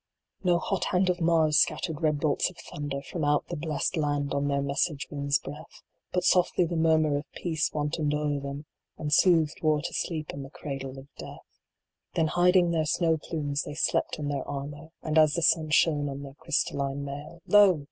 No hot hand of Mars scattered red bolts of thunder From out the blest land on their message wind s breath ; But softly the murmur of Peace wantoned o er them, And soothed War to sleep in the Cradle of Death, Then hiding their snow plumes, they slept in their armor, And as the sun shone on their crystalline mail ; Lo